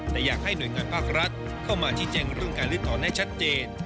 แต่อยากให้หน่วยงานภาครัฐเข้ามาชี้แจงเรื่องการลื้อถอนได้ชัดเจน